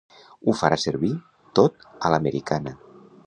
Ho farà servir tot a l'americana.